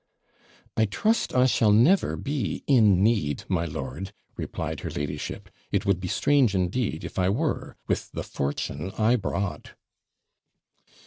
'I trust I shall never be in need, my lord,' replied her ladyship. 'It would be strange, indeed, if I were, with the fortune I brought.'